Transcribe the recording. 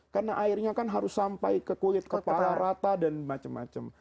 karena airnya kan harus sampai ke kulit kepala rata dan macam macam